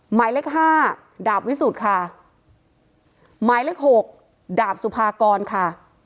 หมายเลขห้าดาบวิสุทธิ์ค่ะหมายเลขหกดาบสุภากรค่ะ